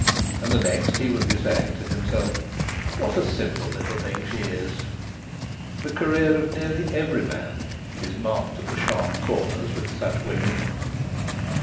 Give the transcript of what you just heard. And the next he would be saying to himself: "What a simple little thing she is!" The career of nearly every man is marked at the sharp corners with such women.